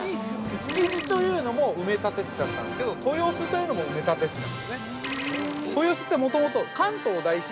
築地というのも埋立地だったんですけど、豊洲というのも埋立地なんですね。